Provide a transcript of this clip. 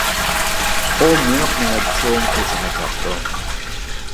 ئۇ مېڭىپ - مېڭىپ چوڭ كوچىغا كەپتۇ.